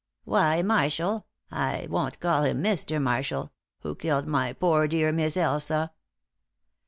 "Why, Marshall I won't call him 'Mister' Marshall who killed my poor dear Miss Elsa."